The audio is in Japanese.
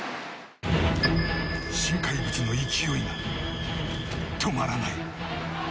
新怪物の勢いが止まらない。